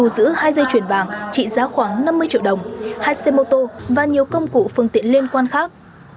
giữ hai dây chuyển vàng trị giá khoảng năm mươi triệu đồng hai xe mô tô và nhiều công cụ phương tiện liên quan khác